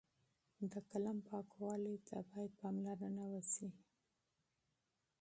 د قلم پاکوالۍ ته باید پاملرنه وشي.